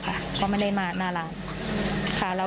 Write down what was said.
เพราะไม่ได้มาหน้าร้านค่ะมีลูกค้าประจำอยู่แล้ว